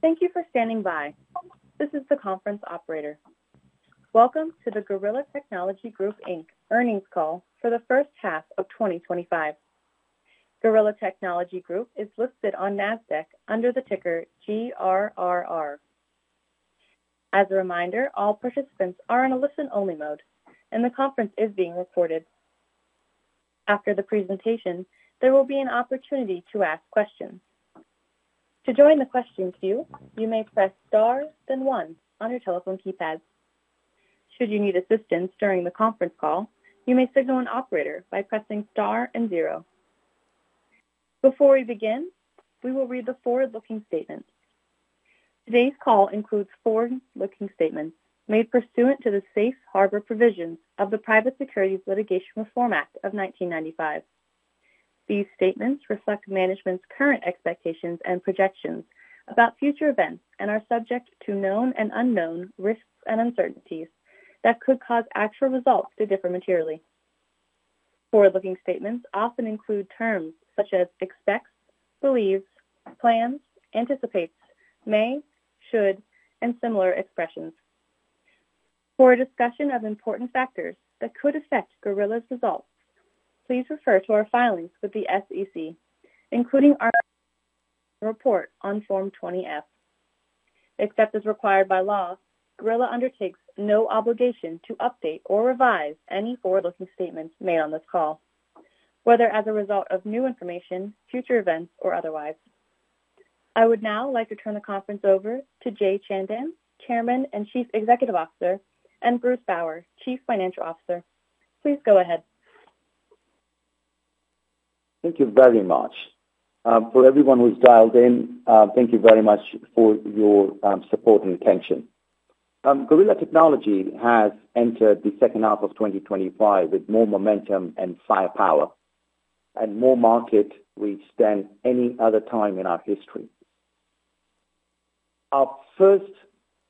Thank you for standing by. This is the conference operator. Welcome to the Gorilla Technology Group Inc. Earnings Call for the First Half of 2025. Gorilla Technology Group Inc. is listed on NASDAQ under the ticker GRRR. As a reminder, all participants are in a listen-only mode, and the conference is being recorded. After the presentation, there will be an opportunity to ask questions. To join the questions queue, you may press star, then one on your telephone keypad. Should you need assistance during the conference call, you may signal an operator by pressing star and zero. Before we begin, we will read the forward-looking statement. Today's call includes forward-looking statements made pursuant to the Safe Harbor provisions of the Private Securities Litigation Reform Act of 1995. These statements reflect management's current expectations and projections about future events and are subject to known and unknown risks and uncertainties that could cause actual results to differ materially. Forward-looking statements often include terms such as expects, believes, plans, anticipates, may, should, and similar expressions. For a discussion of important factors that could affect Gorilla Technology Group Inc.'s results, please refer to our filings with the SEC, including our report on Form 20-F. Except as required by law, Gorilla Technology Group Inc. undertakes no obligation to update or revise any forward-looking statements made on this call, whether as a result of new information, future events, or otherwise. I would now like to turn the conference over to Jay Chandan, Chairman and Chief Executive Officer, and Bruce Bower, Chief Financial Officer. Please go ahead. Thank you very much. For everyone who's dialed in, thank you very much for your support and attention. Gorilla Technology Group Inc. has entered the second half of 2025 with more momentum and firepower, and more market reach than any other time in our history. Our first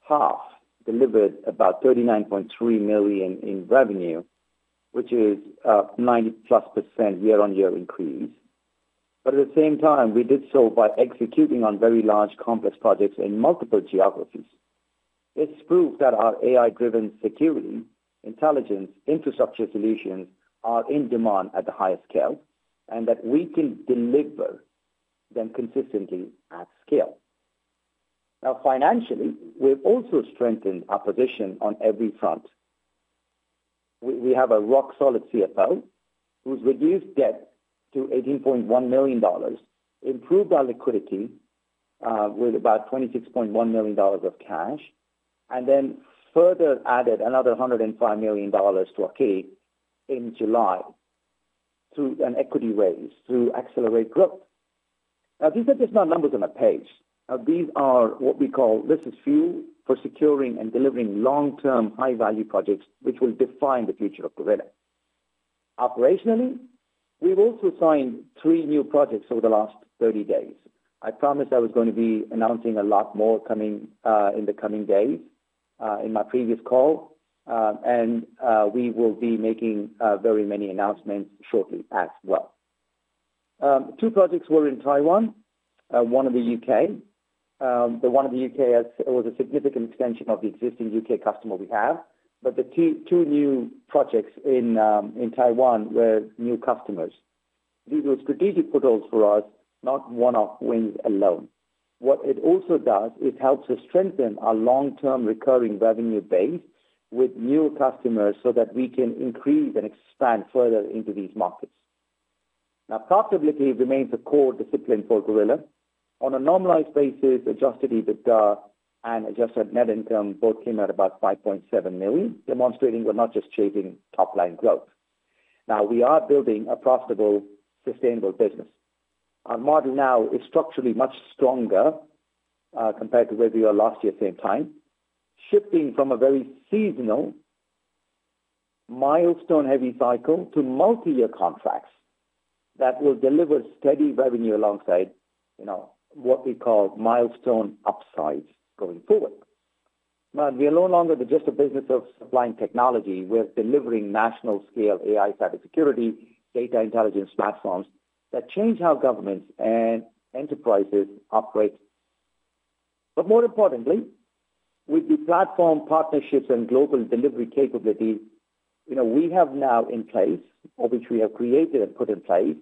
half delivered about $39.3 million in revenue, which is a 90% year-on-year increase. At the same time, we did so by executing on very large, complex projects in multiple geographies. It has proved that our AI-driven security, intelligence, and infrastructure solutions are in demand at the highest scale, and that we can deliver them consistently at scale. Now, financially, we've also strengthened our position on every front. We have a rock-solid CFO who's reduced debt to $18.1 million, improved our liquidity with about $26.1 million of cash, and then further added another $105 million to our case in July through an equity offering to accelerate growth. These are not just numbers on a page. These are what we call listed few for securing and delivering long-term high-value projects, which will define the future of Gorilla. Operationally, we've also signed three new projects over the last 30 days. I promised I was going to be announcing a lot more coming in the coming days in my previous call, and we will be making very many announcements shortly as well. Two projects were in Taiwan, one in the UK. The one in the UK was a significant extension of the existing UK customer we have, but the two new projects in Taiwan were new customers. These were strategic portals for us, not one-off wins alone. What it also does is helps us strengthen our long-term recurring revenue base with new customers so that we can increase and expand further into these markets. Profitability remains a core discipline for Gorilla. On a normalized basis, adjusted EBITDA and adjusted net income both came out about $5.7 million, demonstrating we're not just chasing top-line growth. We are building a profitable, sustainable business. Our model now is structurally much stronger compared to where we were last year at the same time, shifting from a very seasonal, milestone-heavy cycle to multi-year contracts that will deliver steady revenue alongside what we call milestone upsides going forward. We are no longer just a business of supplying technology. We're delivering national-scale AI private security, data intelligence platforms that change how governments and enterprises operate. More importantly, with the platform partnerships and global delivery capabilities we have now in place, or which we have created and put in place,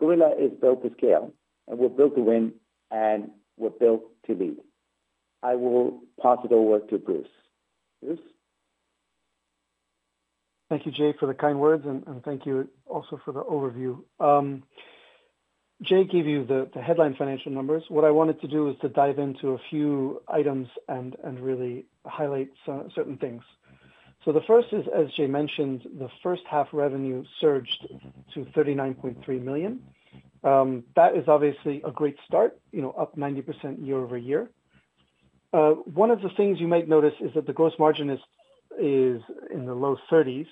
Gorilla is built to scale, and we're built to win, and we're built to lead. I will pass it over to Bruce. Thank you, Jay, for the kind words, and thank you also for the overview. Jay gave you the headline financial numbers. What I wanted to do is to dive into a few items and really highlight certain things. The first is, as Jay mentioned, the first half revenue surged to $39.3 million. That is obviously a great start, you know, up 90% year-over-year. One of the things you might notice is that the gross margin is in the low 30%.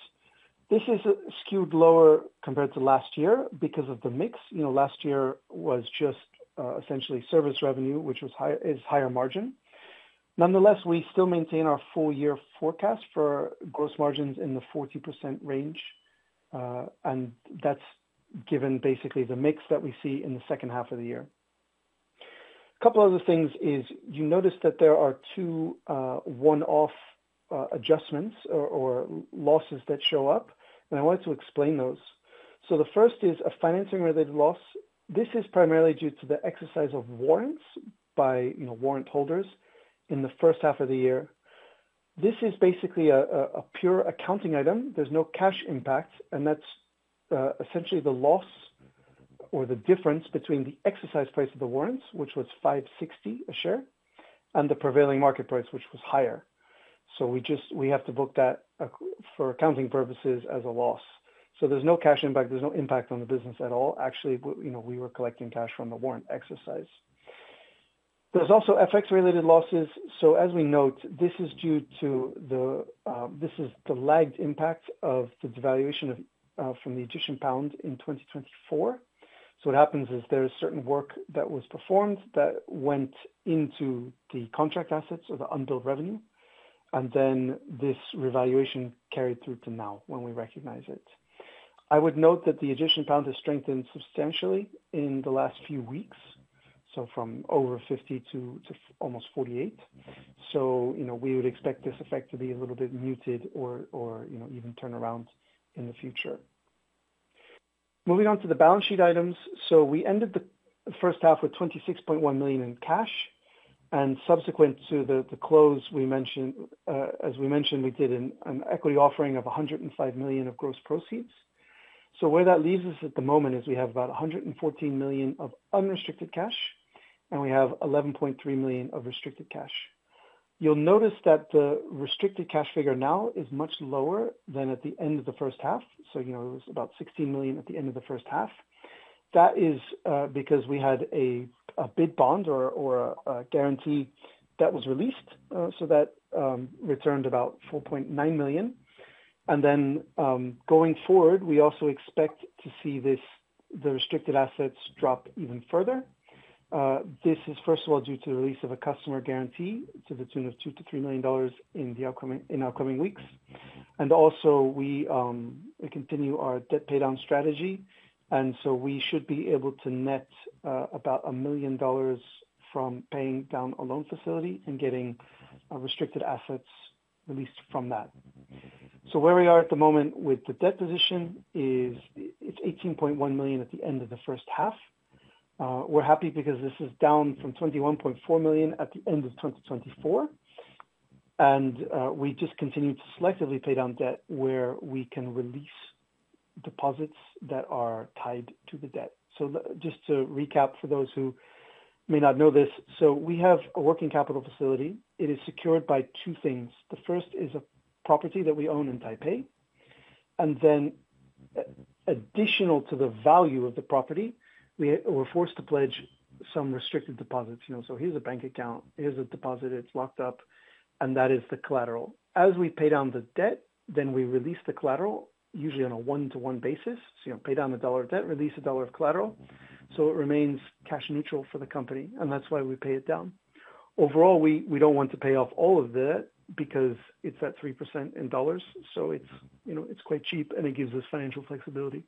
This is skewed lower compared to last year because of the mix. Last year was just essentially service revenue, which is higher margin. Nonetheless, we still maintain our full-year forecast for gross margins in the 40% range, and that's given basically the mix that we see in the second half of the year. A couple of other things is you notice that there are two one-off adjustments or losses that show up, and I wanted to explain those. The first is a financing-related loss. This is primarily due to the exercise of warrants by warrant holders in the first half of the year. This is basically a pure accounting item. There's no cash impact, and that's essentially the loss or the difference between the exercise price of the warrants, which was $5.60 a share, and the prevailing market price, which was higher. We just have to book that for accounting purposes as a loss. There's no cash impact. There's no impact on the business at all. Actually, we were collecting cash from the warrant exercise. There's also FX-related losses. As we note, this is due to the lagged impact of the devaluation from the Egyptian pound in 2024. What happens is there's certain work that was performed that went into the contract assets or the unbilled revenue, and then this revaluation carried through to now when we recognize it. I would note that the Egyptian pound has strengthened substantially in the last few weeks, from over 50 to almost 48. We would expect this effect to be a little bit muted or even turn around in the future. Moving on to the balance sheet items, we ended the first half with $26.1 million in cash, and subsequent to the close, as we mentioned, we did an equity offering of $105 million of gross proceeds. Where that leaves us at the moment is we have about $114 million of unrestricted cash, and we have $11.3 million of restricted cash. You'll notice that the restricted cash figure now is much lower than at the end of the first half. It was about $16 million at the end of the first half. That is because we had a bid bond or a guarantee that was released, so that returned about $4.9 million. Going forward, we also expect to see the restricted assets drop even further. This is, first of all, due to the release of a customer guarantee to the tune of $2 million-$3 million in the upcoming weeks. We continue our debt pay-down strategy, and we should be able to net about $1 million from paying down a loan facility and getting restricted assets released from that. Where we are at the moment with the debt position is it's $18.1 million at the end of the first half. We're happy because this is down from $21.4 million at the end of 2024, and we just continue to selectively pay down debt where we can release deposits that are tied to the debt. Just to recap for those who may not know this, we have a working capital facility. It is secured by two things. The first is a property that we own in Taipei, and then additional to the value of the property, we were forced to pledge some restricted deposits. Here's a bank account. Here's a deposit. It's locked up, and that is the collateral. As we pay down the debt, then we release the collateral, usually on a one-to-one basis. You pay down a dollar of debt, release a dollar of collateral. It remains cash neutral for the company, and that's why we pay it down. Overall, we don't want to pay off all of the debt because it's at 3% in dollars. It's quite cheap, and it gives us financial flexibility.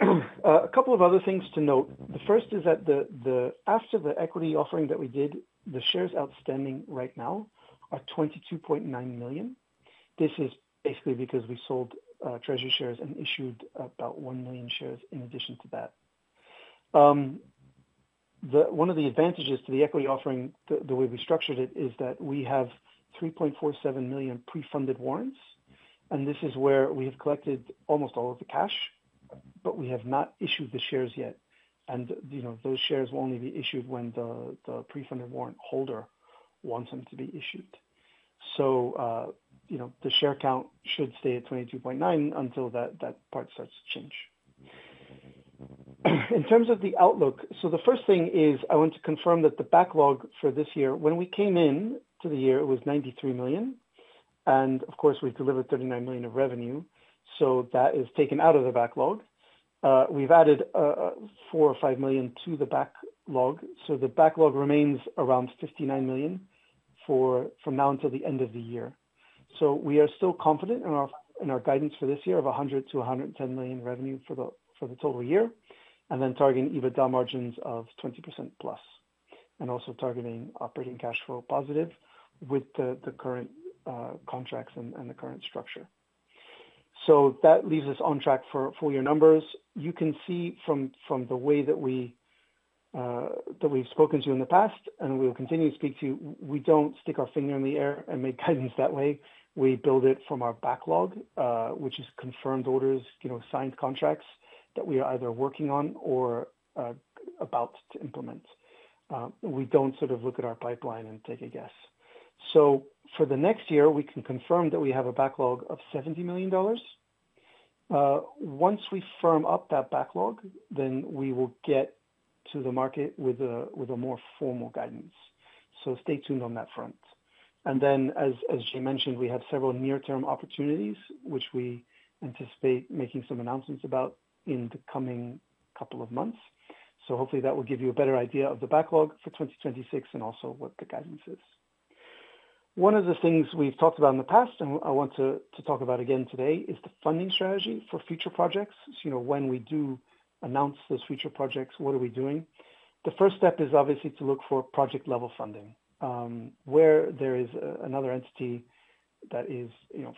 A couple of other things to note. The first is that after the equity offering that we did, the shares outstanding right now are 22.9 million. This is basically because we sold treasury shares and issued about 1 million shares in addition to that. One of the advantages to the equity offering, the way we structured it, is that we have 3.47 million pre-funded warrants, and this is where we have collected almost all of the cash, but we have not issued the shares yet. Those shares will only be issued when the pre-funded warrant holder wants them to be issued. The share count should stay at 22.9 million until that part starts to change. In terms of the outlook, the first thing is I want to confirm that the backlog for this year, when we came into the year, it was $93 million. Of course, we delivered $39 million of revenue, so that is taken out of the backlog. We've added $4 or $5 million to the backlog, so the backlog remains around $59 million from now until the end of the year. We are still confident in our guidance for this year of $100 million-$110 million revenue for the total year, targeting EBITDA margins of 20%+, and also targeting operating cash flow positive with the current contracts and the current structure. That leaves us on track for full-year numbers. You can see from the way that we've spoken to you in the past, and we'll continue to speak to you, we don't stick our finger in the air and make guidance that way. We build it from our backlog, which is confirmed orders, signed contracts that we are either working on or about to implement. We don't look at our pipeline and take a guess. For the next year, we can confirm that we have a backlog of $70 million. Once we firm up that backlog, then we will get to the market with a more formal guidance. Stay tuned on that front. As Jay mentioned, we have several near-term opportunities, which we anticipate making some announcements about in the coming couple of months. Hopefully, that will give you a better idea of the backlog for 2026 and also what the guidance is. One of the things we've talked about in the past, and I want to talk about again today, is the funding strategy for future projects. When we do announce those future projects, what are we doing? The first step is obviously to look for project-level funding, where there is another entity that is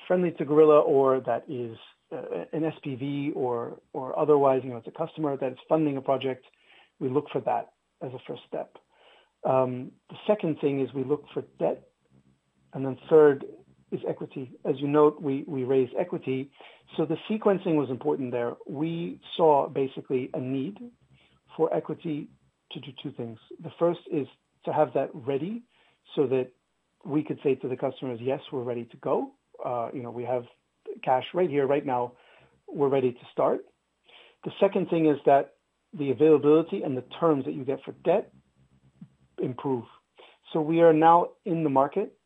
friendly to Gorilla or that is an SPV or otherwise, it's a customer that is funding a project. We look for that as a first step. The second thing is we look for debt. Third is equity. As you note, we raise equity. The sequencing was important there. We saw basically a need for equity to do two things. The first is to have that ready so that we could say to the customers, "Yes, we're ready to go. We have cash right here, right now. We're ready to start." The second thing is that the availability and the terms that you get for debt improve. We are now in the market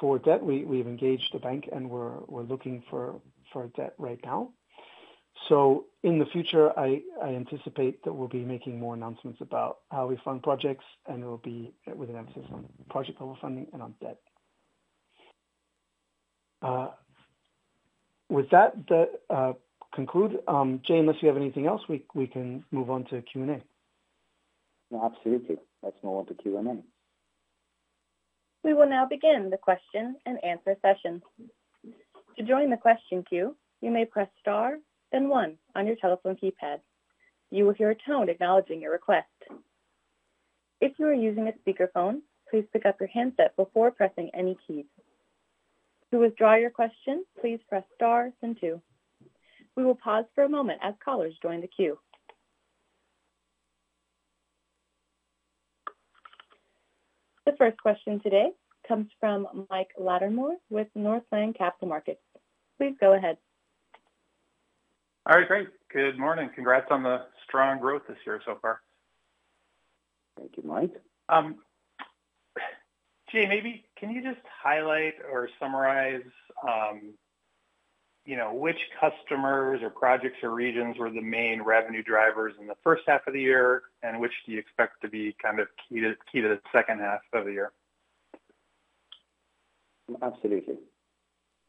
for debt. We've engaged the bank, and we're looking for debt right now. In the future, I anticipate that we'll be making more announcements about how we fund projects, and it'll be with an emphasis on project-level funding and on debt. With that, I conclude. Jay, unless you have anything else, we can move on to Q&A. No, absolutely. Let's move on to Q&A. We will now begin the question-and-answer session. To join the question queue, you may press star and one on your telephone keypad. You will hear a tone acknowledging your request. If you are using a speakerphone, please pick up your handset before pressing any key. To withdraw your question, please press star and two. We will pause for a moment as callers join the queue. The first question today comes from MikeLatimore with Northland Capital Markets. Please go ahead. All right, great. Good morning. Congrats on the strong growth this year so far. Thank you, Mike. Jay, maybe can you just highlight or summarize which customers or projects or regions were the main revenue drivers in the first half of the year, and which do you expect to be kind of key to the second half of the year? Absolutely.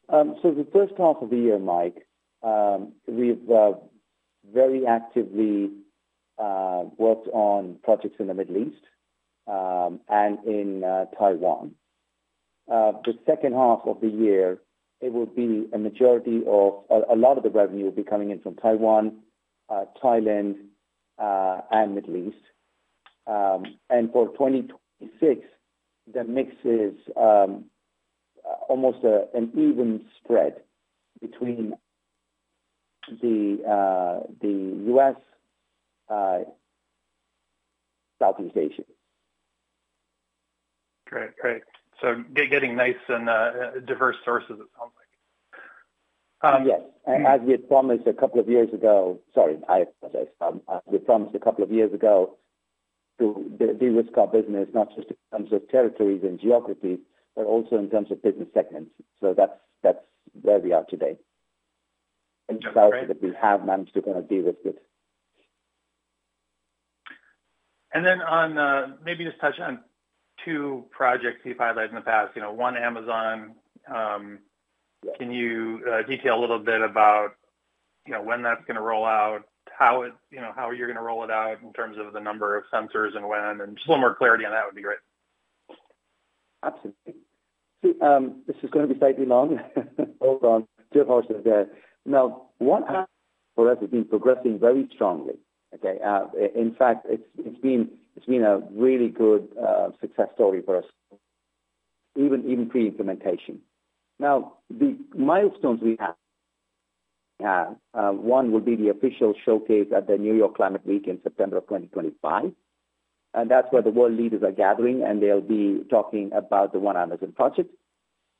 The first half of the year, Mike, we've very actively worked on projects in the Middle East and in Taiwan. The second half of the year, it would be a majority of a lot of the revenue would be coming in from Taiwan, Thailand, and the Middle East. For 2026, the mix is almost an even spread between the U.S. and Southeast Asia. Great, great. Getting nice and diverse sources. As we had promised a couple of years ago, we promised a couple of years ago to de-risk our business, not just in terms of territories and geographies, but also in terms of business segments. That's where we are today. And. That we have managed to kind of de-risk it. Maybe just touch on two projects you've highlighted in the past. You know, one, One Amazon climate, can you detail a little bit about when that's going to roll out, how you're going to roll it out in terms of the number of sensors and when? Just a little more clarity on that would be great. Absolutely. This is going to be slightly long. Hold on. Two questions there. Now, one has. Progress, it's been progressing very strongly. In fact, it's been a really good success story for us, even pre-implementation. The milestones we have, one will be the official showcase at the New York Climate Week in September 2025. That's where the world leaders are gathering, and they'll be talking about the One Amazon climate project.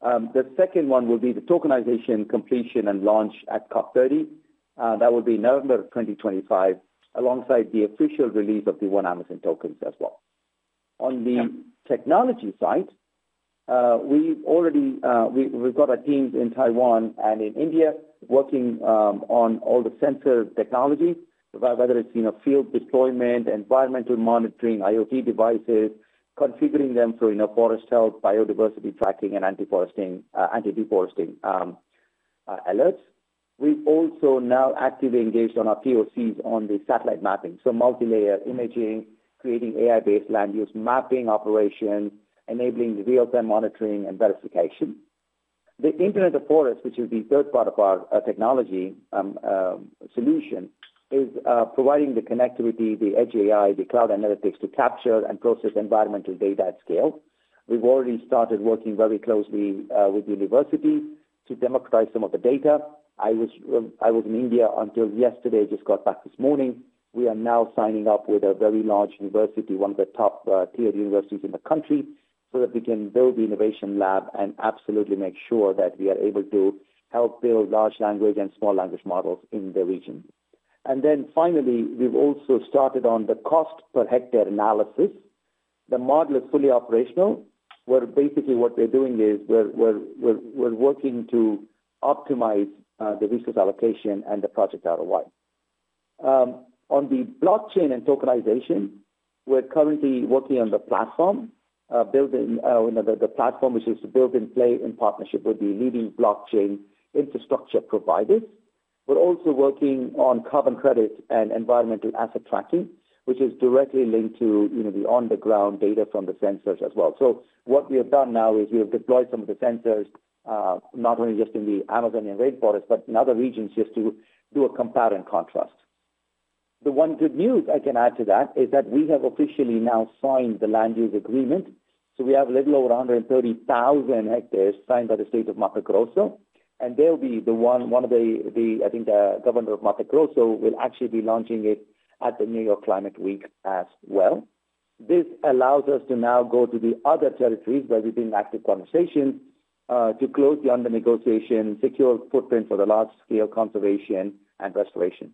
The second one will be the tokenization completion and launch at COP30. That will be in November 2025, alongside the official release of the One Amazon token as well. On the technology side, we've already got our teams in Taiwan and in India working on all the sensor technology, whether it's in a field deployment, environmental monitoring, IoT devices, configuring them for forest health, biodiversity tracking, and anti-deforesting alerts. We've also now actively engaged on our POCs on the satellite mapping. Multi-layer imaging, creating AI-based land use mapping operations, enabling real-time monitoring and verification. The Internet of Forest, which is the third part of our technology solution, is providing the connectivity, the edge AI, the cloud analytics to capture and process environmental data at scale. We've already started working very closely with universities to democratize some of the data. I was in India until yesterday, just got back this morning. We are now signing up with a very large university, one of the top tier universities in the country, so that we can build the innovation lab and absolutely make sure that we are able to help build large language and small language models in the region. Finally, we've also started on the cost per hectare analysis. The model is fully operational, where basically what we're doing is we're working to optimize the resource allocation and the project ROI. On the blockchain and tokenization, we're currently working on the platform, building the platform, which is built in play in partnership with the leading blockchain infrastructure provider. We're also working on carbon credit and environmental asset tracking, which is directly linked to the on-the-ground data from the sensors as well. What we have done now is we have deployed some of the sensors, not only just in the Amazon and rainforest, but in other regions just to do a compare and contrast. The one good news I can add to that is that we have officially now signed the land use agreement. We have a little over 130,000 hectares signed by the state of Marco Corozo. I think the governor of Marco Corozo will actually be launching it at the New York Climate Week as well. This allows us to now go to the other territories where we've been in active conversation to close the ongoing negotiation, secure footprint for the large-scale conservation and restoration.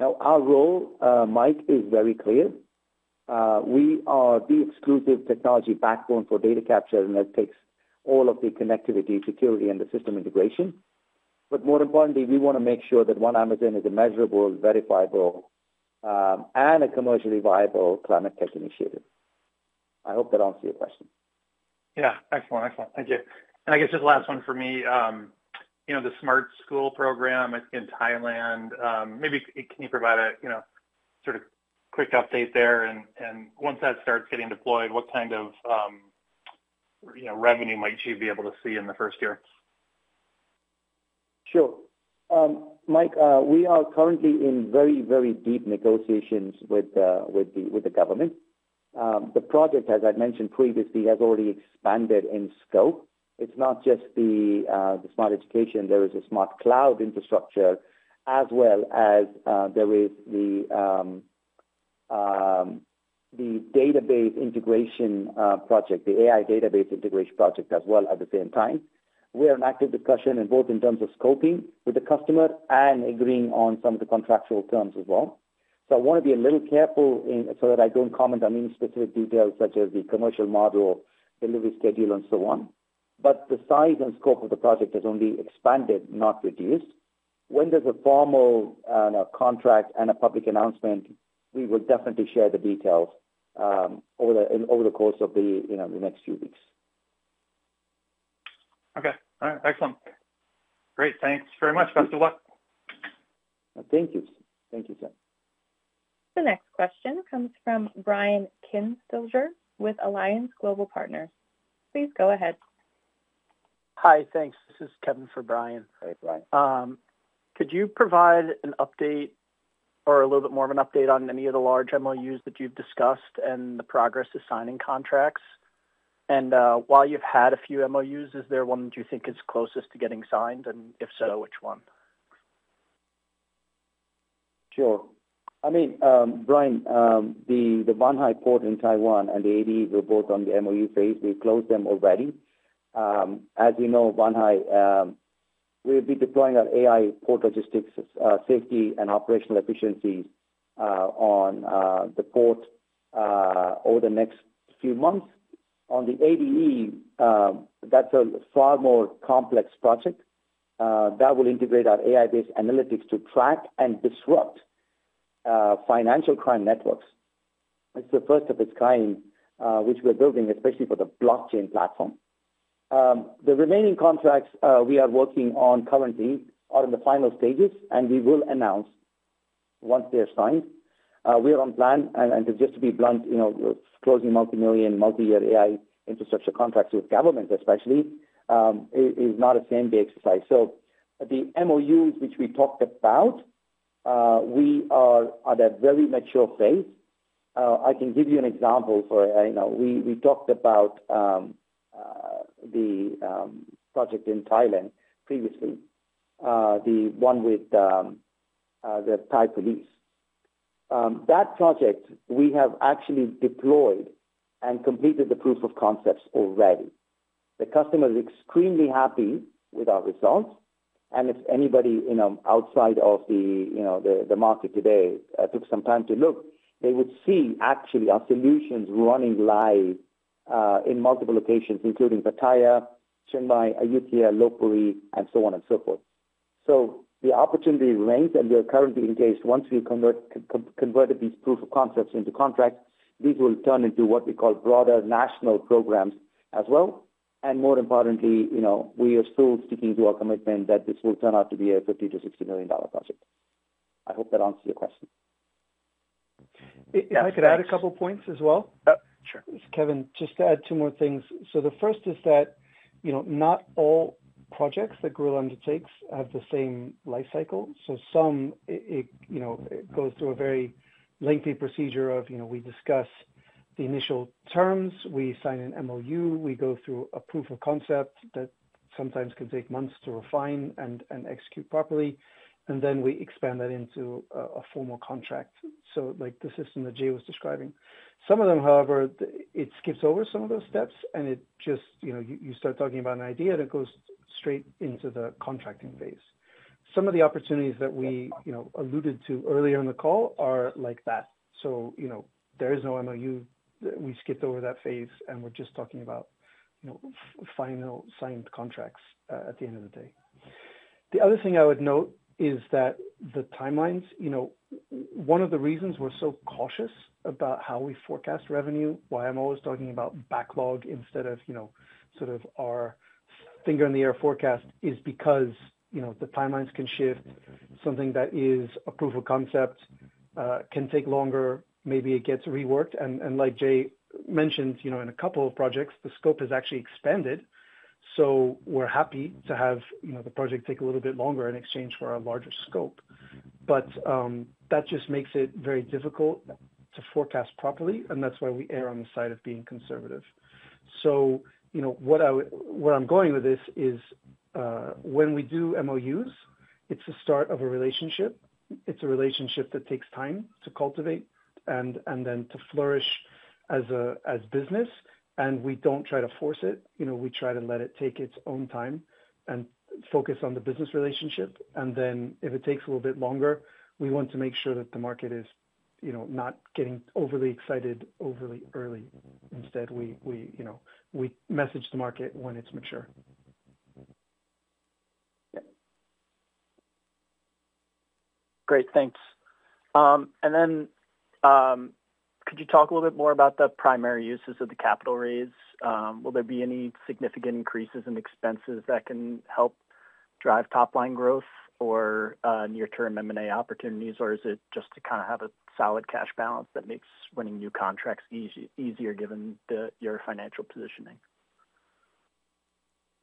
Our role, Mike, is very clear. We are the exclusive technology backbone for data capture and analytics, all of the connectivity, security, and the system integration. More importantly, we want to make sure that One Amazon is a measurable, verifiable, and a commercially viable climate tech initiative. I hope that answered your question. Excellent.Thank you. I guess just the last one for me, the Smart School program in Thailand. Maybe can you provide a sort of quick update there? Once that starts getting deployed, what kind of revenue might you be able to see in the first year? Sure. Mike, we are currently in very, very deep negotiations with the government. The project, as I mentioned previously, has already expanded in scope. It's not just the smart education. There is a smart cloud infrastructure, as well as there is the AI database integration project as well at the same time. We are in active discussion both in terms of scoping with the customer and agreeing on some of the contractual terms as well. I want to be a little careful so that I don't comment on any specific details such as the commercial model, delivery schedule, and so on. The size and scope of the project has only expanded, not reduced. When there's a formal contract and a public announcement, we will definitely share the details over the course of the next few weeks. Okay. All right. Excellent. Great. Thanks very much, good luck. Thank you. Thank you, Mike. The next question comes from Brian Kinstlinger with Alliance Global Partners. Please go ahead. Hi. Thanks. This is Kevin for Brian. Hi, Brian. Could you provide an update or a little bit more of an update on any of the large MOUs that you've discussed and the progress to signing contracts? While you've had a few MOUs, is there one that you think is closest to getting signed? If so, which one? Sure. I mean, Brian, the Banhai port in Taiwan and the AD were both on the MOU phase, we closed them already. As you know, Banhai, we'll be deploying our AI port logistics safety and operational efficiency on the port over the next few months. On the ADE, that's a far more complex project. That will integrate our AI-based analytics to track and disrupt financial crime networks. It's the first of its kind, which we're building, especially for the blockchain platform. The remaining contracts we are working on currently are in the final stages, and we will announce once they're signed. We are on plan, and just to be blunt, closing multimillion, multi-year AI infrastructure contracts with governments, especially, is not a same-day exercise. The MOUs which we talked about, we are at a very mature phase. I can give you an example for, you know, we talked about the project in Thailand previously, the one with the Thai police. That project, we have actually deployed and completed the proof of concepts already. The customer is extremely happy with our results. If anybody outside of the market today took some time to look, they would see actually our solutions running live in multiple locations, including Pattaya, Chiang Mai, Ayutthaya, Lopburi, and so on and so forth. The opportunity remains, and we are currently engaged. Once we converted these proof of concepts into contracts, these will turn into what we call broader national programs as well. More importantly, you know, we are still sticking to our commitment that this will turn out to be a $50 million-$60 million project. I hope that answers your question. I could add a couple of points as well. Sure. It's Kevin, just to add two more things. The first is that not all projects that Gorilla undertakes have the same life cycle. Some go through a very lengthy procedure of discussing the initial terms, signing an MOU, going through a proof of concept that sometimes can take months to refine and execute properly, and then expanding that into a formal contract, like the system that Jay was describing. Some of them, however, skip over some of those steps, and you start talking about an idea that goes straight into the contracting phase. Some of the opportunities that we alluded to earlier in the call are like that. There is no MOU. We skipped over that phase, and we're just talking about final signed contracts at the end of the day. The other thing I would note is that the timelines, one of the reasons we're so cautious about how we forecast revenue, why I'm always talking about backlog instead of our finger-in-the-air forecast, is because the timelines can shift. Something that is a proof of concept can take longer. Maybe it gets reworked. Like Jay mentioned, in a couple of projects, the scope has actually expanded. We're happy to have the project take a little bit longer in exchange for a larger scope. That just makes it very difficult to forecast properly, and that's why we err on the side of being conservative. When we do MOUs, it's the start of a relationship. It's a relationship that takes time to cultivate and then to flourish as business. We don't try to force it. We try to let it take its own time and focus on the business relationship. If it takes a little bit longer, we want to make sure that the market is not getting overly excited overly early. Instead, we message the market when it's mature. Great. Thanks. Could you talk a little bit more about the primary uses of the capital raise? Will there be any significant increases in expenses that can help drive top-line growth or near-term M&A opportunities, or is it just to kind of have a solid cash balance that makes winning new contracts easier given your financial positioning?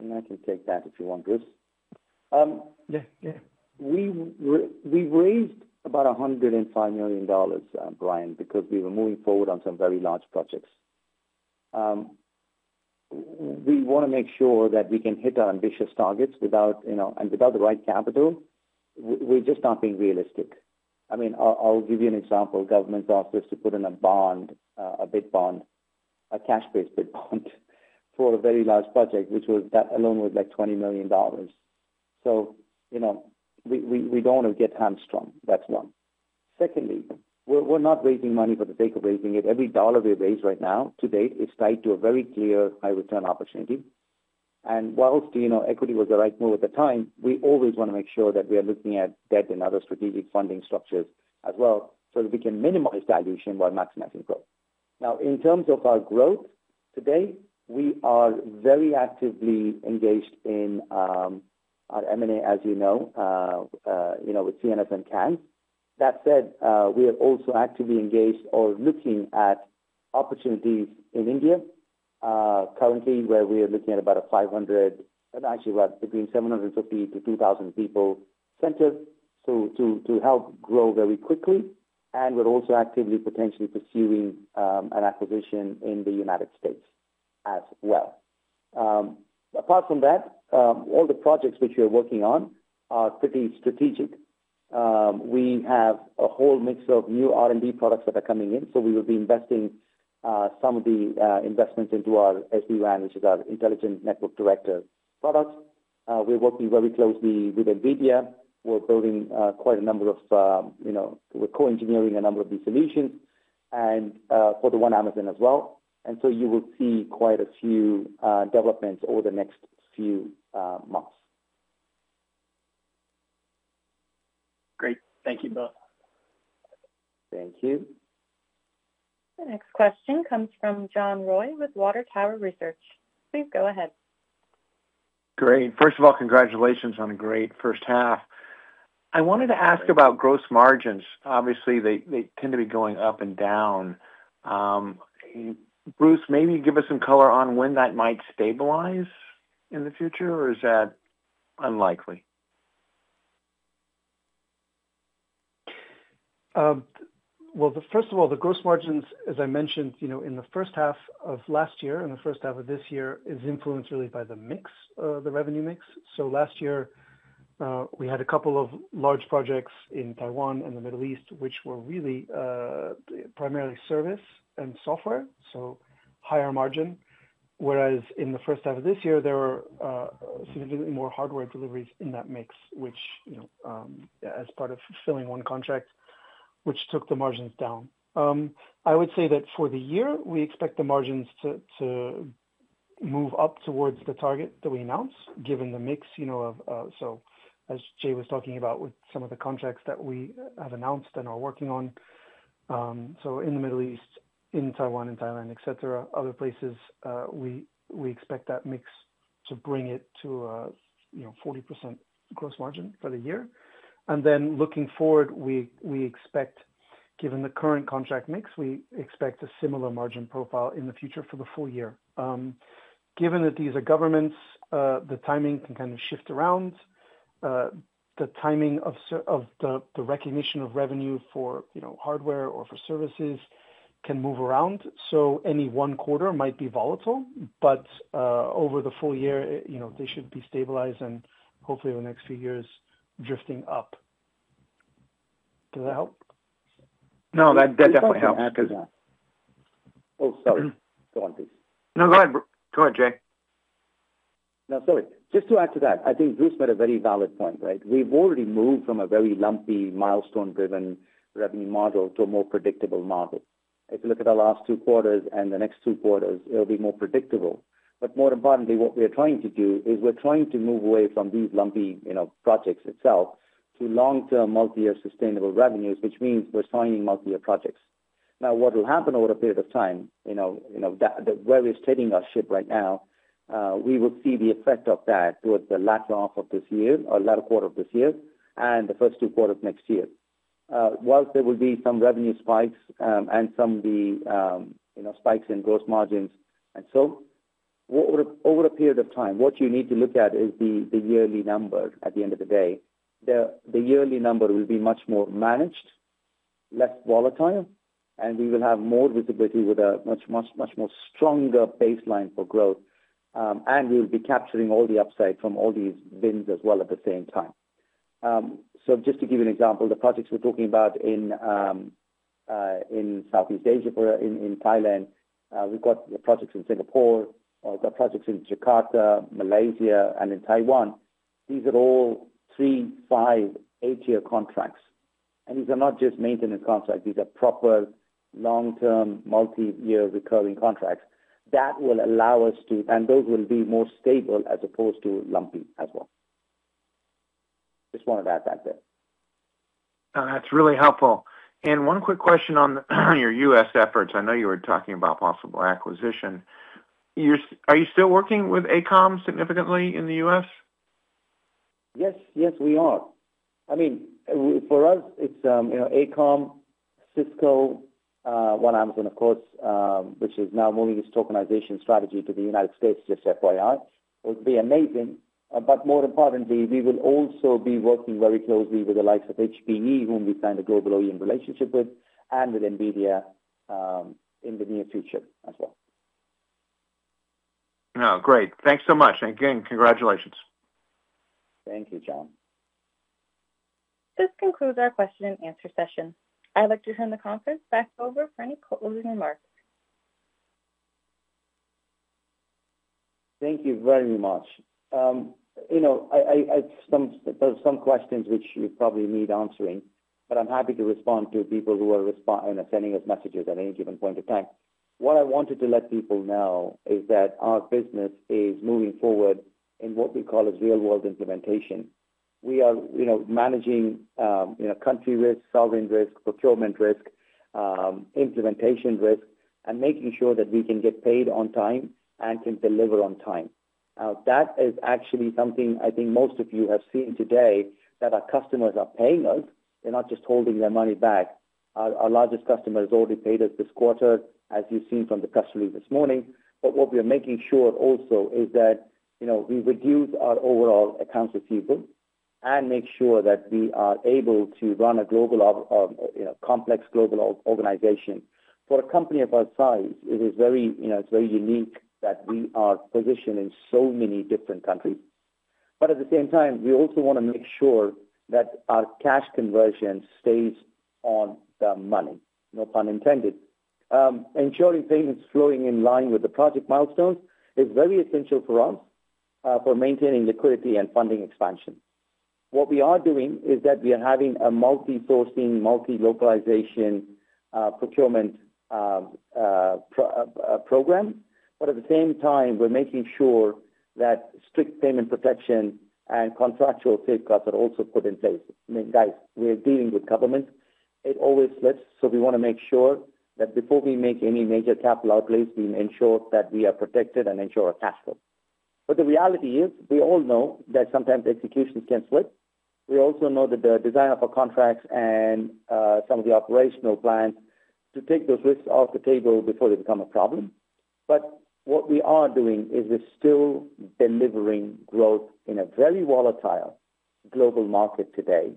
I can take that if you want, Bruce. Yeah, yeah. We've raised about $105 million, Brian, because we were moving forward on some very large projects. We want to make sure that we can hit our ambitious targets without, you know, and without the right capital, we're just not being realistic. I'll give you an example. Government offers to put in a bond, a bid bond, a cash-based bid bond for a very large project, which was that alone was like $20 million. We don't want to get hamstrung, that's one. Secondly, we're not raising money for the sake of raising it. Every dollar we raise right now to date is tied to a very clear high-return opportunity. Whilst, you know, equity was the right move at the time, we always want to make sure that we are looking at debt and other strategic funding structures as well so that we can minimize dilution while maximizing growth. Now, in terms of our growth today, we are very actively engaged in our M&A, as you know, with CNF and CAN. That said, we are also actively engaged or looking at opportunities in India, currently where we are looking at about a 500, and actually about between 750-3,000 people center to help grow very quickly. We're also actively potentially pursuing an acquisition in the United States as well. Apart from that, all the projects which we are working on are pretty strategic. We have a whole mix of new R&D products that are coming in. We will be investing some of the investment into our SD-WAN, which is our Intelligent Network Director products. We're working very closely with NVIDIA. We're building quite a number of, you know, we're co-engineering a number of these solutions and for the One Amazon as well. You will see quite a few developments over the next few months. Great. Thank you both. Thank you. The next question comes from John Roy with Water Tower Research LLC. Please go ahead. Great. First of all, congratulations on a great first half. I wanted to ask about gross margins. Obviously, they tend to be going up and down. Bruce, maybe you give us some color on when that might stabilize in the future, or is that unlikely? First of all, the gross margins, as I mentioned, in the first half of last year and the first half of this year is influenced really by the revenue mix. Last year, we had a couple of large projects in Taiwan and the Middle East, which were really primarily service and software, so higher margin. Whereas in the first half of this year, there were significantly more hardware deliveries in that mix, as part of filling one contract, which took the margins down. I would say that for the year, we expect the margins to move up towards the target that we announce, given the mix, as Jay was talking about with some of the contracts that we have announced and are working on. In the Middle East, in Taiwan, in Thailand, other places, we expect that mix to bring it to a 40% gross margin for the year. Looking forward, we expect, given the current contract mix, a similar margin profile in the future for the full year. Given that these are governments, the timing can kind of shift around. The timing of the recognition of revenue for hardware or for services can move around. Any one quarter might be volatile, but over the full year, they should be stabilized and hopefully over the next few years drifting up. Does that help? No, that definitely helps. To add to that. Oh, sorry. Go on, please. No, go ahead. Go ahead, Jay. No, sorry. Just to add to that, I think Bruce made a very valid point, right? We've already moved from a very lumpy, milestone-driven revenue model to a more predictable model. If you look at our last two quarters and the next two quarters, it'll be more predictable. More importantly, what we are trying to do is we're trying to move away from these lumpy projects itself to long-term, multi-year, sustainable revenues, which means we're signing multi-year projects. What will happen over a period of time where we're stating our ship right now, we will see the effect of that towards the latter half of this year, or latter quarter of this year, and the first two quarters of next year. Whilst there will be some revenue spikes and some of the spikes in gross margins and so on, over a period of time, what you need to look at is the yearly number at the end of the day. The yearly number will be much more managed, less volatile, and we will have more visibility with a much, much, much more stronger baseline for growth. We will be capturing all the upside from all these bins as well at the same time. Just to give you an example, the projects we're talking about in Southeast Asia, in Thailand, we've got the projects in Singapore, we've got projects in Jakarta, Malaysia, and in Taiwan. These are all three, five, eight-year contracts. These are not just maintenance contracts. These are proper long-term, multi-year, recurring contracts. That will allow us to, and those will be more stable as opposed to lumpy as well. Just wanted to add that there. That's really helpful. One quick question on your U.S. efforts. I know you were talking about possible acquisition. Are you still working with AECOM significantly in the U.S.? Yes, yes, we are. I mean, for us, it's, you know, AECOM, Cisco, One Amazon climate, which is now moving its tokenization strategy to the United States, just FYI, would be amazing. More importantly, we will also be working very closely with the likes of HPE, whom we signed a global OEM relationship with, and with NVIDIA in the near future as well. Oh, great. Thanks so much. Again, congratulations. Thank you, John. This concludes our question-and-answer session. I'd like to turn the conference back over for any closing remarks. Thank you very much. I have some questions which you probably need answering, but I'm happy to respond to people who are attending us messages at any given point in time. What I wanted to let people know is that our business is moving forward in what we call a real-world implementation. We are managing country risk, sovereign risk, procurement risk, implementation risk, and making sure that we can get paid on time and can deliver on time. That is actually something I think most of you have seen today that our customers are paying us. They're not just holding their money back. Our largest customers already paid us this quarter, as you've seen from the customer this morning. What we are making sure also is that we reduce our overall accounts receivable and make sure that we are able to run a complex global organization. For a company of our size, it is very unique that we are positioned in so many different countries. At the same time, we also want to make sure that our cash conversion stays on the money, no pun intended. Ensuring payments flowing in line with the project milestones is very essential for us for maintaining liquidity and funding expansion. What we are doing is that we are having a multi-sourcing, multi-localization, procurement program. At the same time, we're making sure that strict payment protection and contractual safeguards are also put in place. I mean, guys, we're dealing with government. It always slips. We want to make sure that before we make any major capital outlays, we ensure that we are protected and ensure our cash flow. The reality is, we all know that sometimes the execution can slip. We also know that the design of our contracts and some of the operational plans take those risks off the table before they become a problem. What we are doing is we're still delivering growth in a very volatile global market today.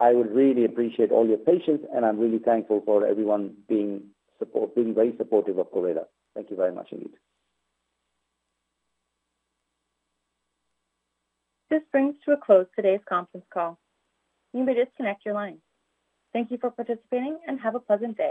I would really appreciate all your patience, and I'm really thankful for everyone being very supportive of Gorilla. Thank you very much, indeed. This brings to a close today's conference call. You may disconnect your line. Thank you for participating and have a pleasant day.